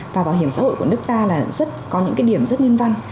và bảo hiểm xã hội của nước ta có những điểm rất nguyên văn